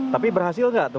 tapi berhasil gak tuh